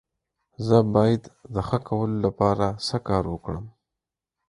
زه باید د ښه کولو لپاره څه کار وکړم؟